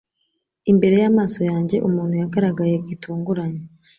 imbere y'amaso yanjye umuntu yagaragaye gitunguranye